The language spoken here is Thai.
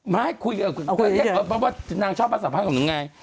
ไม่คุยกับคุณคุณค่ะนางชอบสัมภัยกับนางไง